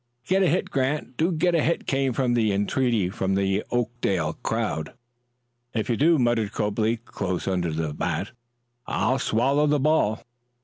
"Get a hit, Grant do get a hit!" came the entreaty from the Oakdale crowd. "If you do," muttered Copley, close under the bat, "I'll swallow the ball."